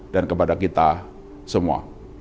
dan kepada kita semua